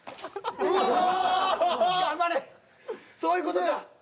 そういうことか。